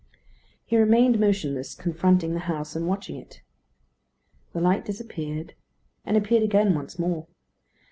He remained motionless, confronting the house and watching it. The light disappeared, and appeared again once more.